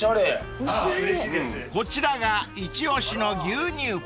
［こちらが一押しの牛乳パン］